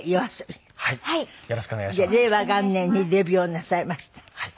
で令和元年にデビューをなさいました。